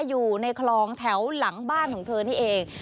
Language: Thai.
อยู่ในคลองแถวหลังบ้านของเธอนี่เอง